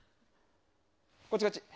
こっちこっち。